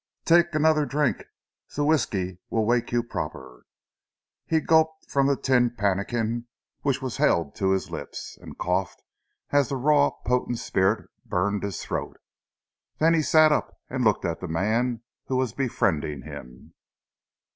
"Tak' anoder drink. Zee whisky veel vake you proper." He gulped from the tin pannikin which was held to his lips, and coughed as the raw, potent spirit burned his throat. Then he sat up and looked at the man who was befriending him.